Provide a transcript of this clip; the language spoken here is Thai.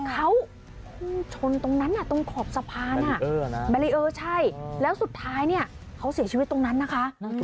เขาชนตรงนั้นน่ะตรงขอบสะพานแบลเลอร์ใช่แล้วสุดท้ายเขาเสียชีวิตตรงนั้นนะคะ